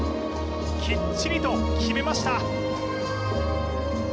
きっちりと決めました